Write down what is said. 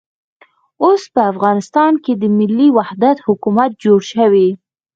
اوس په افغانستان کې د ملي وحدت حکومت جوړ شوی.